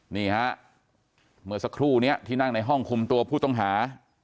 นี่ฮะเมื่อสักครู่นี้ที่นั่งในห้องคุมตัวผู้ต้องหา